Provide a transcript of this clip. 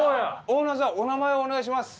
オーナーさんお名前をお願いします。